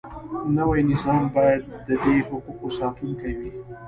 نوی نظام باید د دې حقوقو ساتونکی وي.